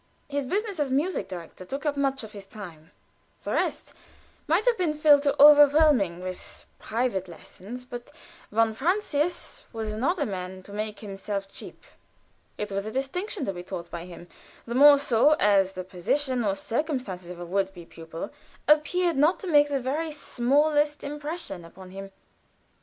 His business as musik direktor took up much of his time; the rest might have been filled to overflowing with private lessons, but von Francius was not a man to make himself cheap; it was a distinction to be taught by him, the more so as the position or circumstances of a would be pupil appeared to make not the very smallest impression upon him.